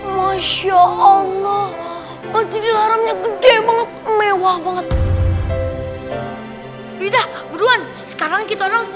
masya allah masjidil haramnya gede banget mewah banget udah berduan sekarang kita orang